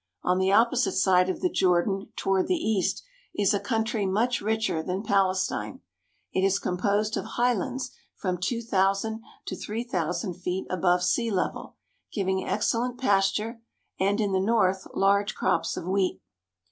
On the opposite side of the Jordan toward the east is a country much richer than Palestine. It is composed of highlands from two thousand to three thousand feet above sea level, giving excellent pasture and, in the north, large crops of wheat.